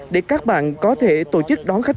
để các bạn có thể tham gia thí điểm đón khách